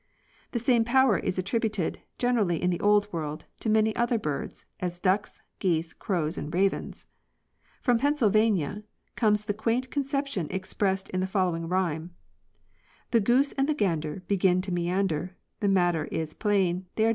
Smith). The same power is attributed, gener ally in the Old World, to many other birds, as ducks, geese, crowsand ravens. From Pennsylvania (William Schrock) comes the quaint conception expressed in the following rhyme : The goose and the gander Begin to meander ; The matter is plain, They are dancing for rain.